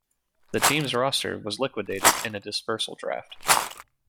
The team's roster was liquidated in a dispersal draft.